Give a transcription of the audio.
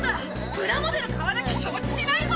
プラモデル買わなきゃ承知しないぞ！